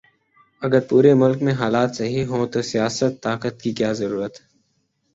اگر پورے ملک میں حالات صحیح ھوں تو سیاست، طاقت، کی کیا ضرورت